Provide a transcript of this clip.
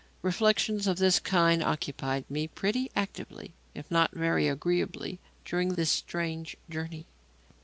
Reflections of this kind occupied me pretty actively if not very agreeably during this strange journey.